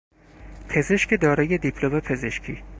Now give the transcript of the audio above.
پزشک دارای دیپلم پزشکی